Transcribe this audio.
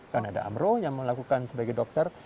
karena ada amro yang melakukan sebagai dokter